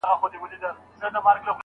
شمع مړه سوه جهاني محفل تمام سو.